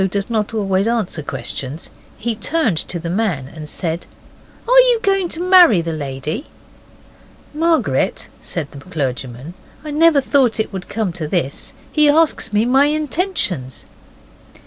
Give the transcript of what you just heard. does not always answer questions. He turned to the man and said 'Are you going to marry the lady?' 'Margaret,' said the clergyman, 'I never thought it would come to this: he asks me my intentions.